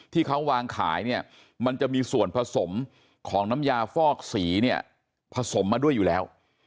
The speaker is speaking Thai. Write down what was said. ที่เขาวางขายเนี่ยมันจะมีส่วนผสมของน้ำยาฟอกสีเนี่ยผสมมาด้วยอยู่แล้ว